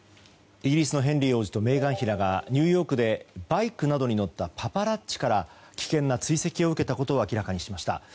イギリスのヘンリー王子とメーガン妃がニューヨークでバイクなどに乗ったパパラッチから危険な追跡を受けたことを明らかにしました。